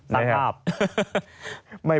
ไม่เพราะ